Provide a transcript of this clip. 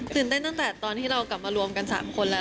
เต้นตั้งแต่ตอนที่เรากลับมารวมกัน๓คนแล้ว